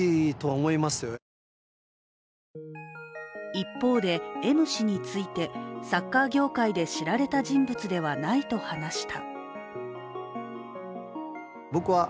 一方でＭ氏について、サッカー業界で知られた人物ではないと話した。